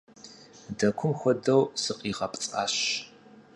Дэкум хуэдэу сыкъигъэпцӀащ.